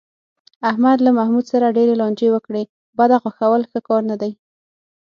احمد له محمود سره ډېرې لانجې وکړې، بده خوښول ښه کار نه دی.